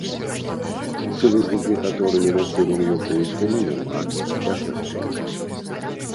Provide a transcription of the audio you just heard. Сувязі з некаторымі населенымі пунктамі няма дагэтуль.